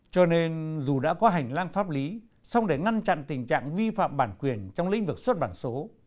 cho nên dù đã có hành lang pháp lý xong để ngăn chặn tình trạng vi phạm bản quyền trong lĩnh vực xuất bản số